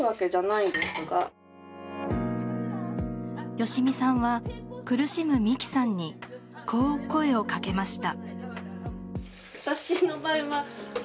芳美さんは、苦しむ美樹さんにこう声を掛けました。